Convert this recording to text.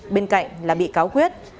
bên cạnh là bị cáo quyết